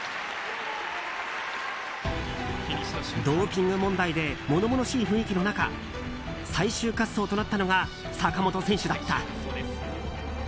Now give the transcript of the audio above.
ドーピング問題で物々しい雰囲気の中最終滑走となったのが坂本選手だった。